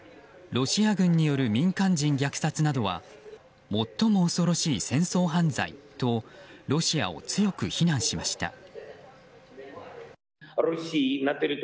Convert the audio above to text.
ロシア軍による民間人虐殺などは最も恐ろしい戦争犯罪とロシアを強く非難しました。